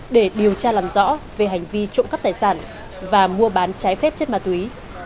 để điều tra làm rõ về hành vi trộm cắp tài sản và mua bán trái phép chất ma túy